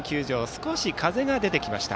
少し風が出てきました。